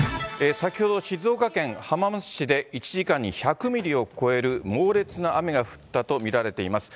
先ほど、静岡県浜松市で１時間に１００ミリを超える猛烈な雨が降ったと見られています。